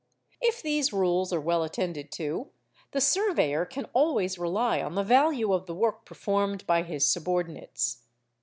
If these rules are well attended to, the surveyor can always rely on the value of the work performed by his subordinates.